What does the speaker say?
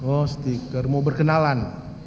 oh stiker mau berkenalan